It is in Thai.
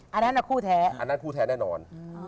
อันนั้นคู่แท้อันนั้นคู่แท้แน่นอน